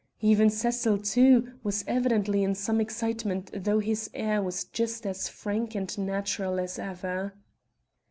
Even Cecil, too, was evidently in some excitement though his air was just as frank and natural as ever.